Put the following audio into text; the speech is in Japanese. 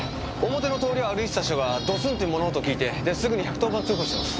表の通りを歩いてた人がドスンって物音聞いてですぐに１１０番通報してます。